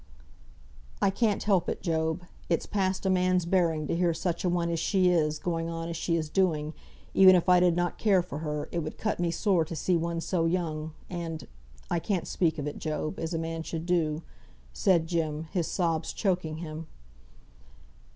"I can't help it, Job; it's past a man's bearing to hear such a one as she is, going on as she is doing; even if I did not care for her, it would cut me sore to see one so young, and I can't speak of it, Job, as a man should do," said Jem, his sobs choking him.